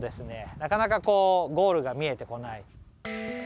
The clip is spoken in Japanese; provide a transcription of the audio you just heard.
なかなかこうゴールが見えてこない。